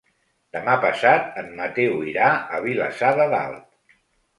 Demà passat en Mateu irà a Vilassar de Dalt.